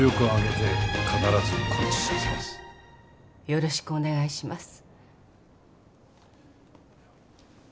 よろしくお願いします。